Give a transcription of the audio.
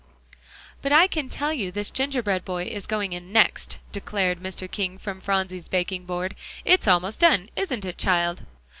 "But, I can tell you, this gingerbread boy is going in next," declared Mr. King from Phronsie's baking board. "It's almost done, isn't it, child?"